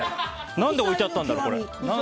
何で置いてあったんだろう？